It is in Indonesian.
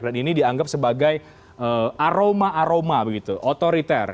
dan ini dianggap sebagai aroma aroma begitu otoriter